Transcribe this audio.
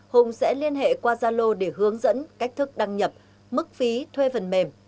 hùng sẽ liên hệ qua gia lô để hướng dẫn cách thức đăng nhập mức phí thuê phần mềm